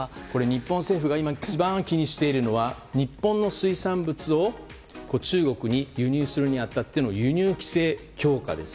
日本政府が今一番気にしているのは日本の水産物を中国に輸出するにあたっての輸入規制強化です。